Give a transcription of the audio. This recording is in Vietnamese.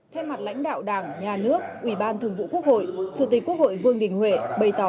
thay mặt lãnh đạo đảng nhà nước ủy ban thường vụ quốc hội chủ tịch quốc hội vương đình huệ bày tỏ